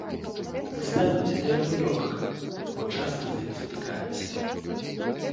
Мы ставімся да яго лёгка, бо часта з ім сутыкаемся.